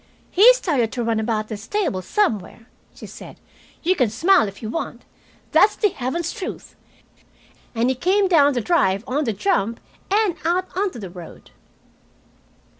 "He started to run about the stable somewhere," she said. "You can smile if you want. That's the heaven's truth. And he came down the drive on the jump and out onto the road."